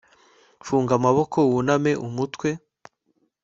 funga amaboko wuname umutwe